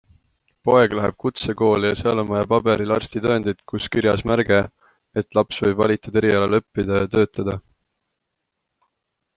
Poeg läheb kutsekooli ja seal on vaja paberil arstitõendit, kus kirjas märge, et laps võib valitud erialal õppida ja töötada.